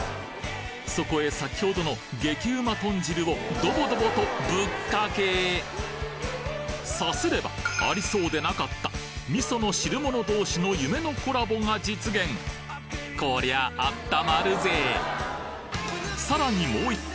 そこへ先ほどの激ウマとん汁をドボドボとぶっかけさすればありそうでなかった味噌の汁物同士の夢のコラボが実現こりゃあったまるぜさらにもう１軒